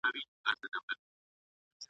اور ته خپل او پردی یو دی ,